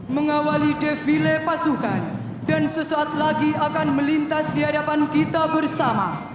mengawali defile pasukan dan sesaat lagi akan melintas di hadapan kita bersama